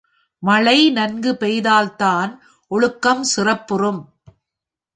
மழை நன்கு பெய்தால்தான் ஒழுக்கம் சிறப்புறும்.